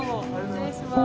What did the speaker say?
失礼します。